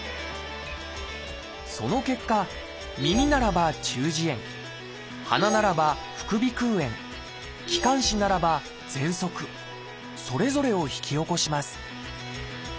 その結果耳ならば「中耳炎」鼻ならば「副鼻腔炎」気管支ならば「ぜんそく」それぞれを引き起こします